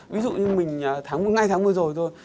ví dụ như mình ngay tháng vừa rồi thôi